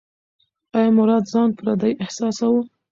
ایا مراد ځان پردی احساساوه؟